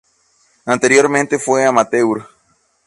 Anteriormente fue amateur.